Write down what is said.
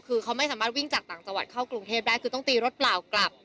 คือเขาไม่สามารถวิ่งจากต่างจังหวัดเข้ากรุงเทพได้คือต้องตีรถเปล่ากลับ